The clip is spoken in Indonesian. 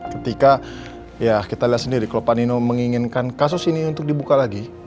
ketika ya kita lihat sendiri kalau pak nino menginginkan kasus ini untuk dibuka lagi